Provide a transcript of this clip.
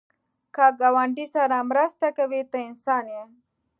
که ګاونډي سره مرسته کوې، ته انسان یې